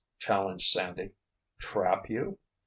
challenged Sandy. "Trap you?